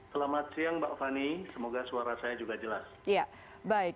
selamat siang mbak fani semoga suara saya juga jelas